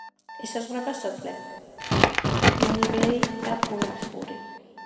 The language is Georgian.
ესაზღვრება სოფლები: დუნივერი და ბუნახური.